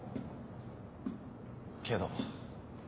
けど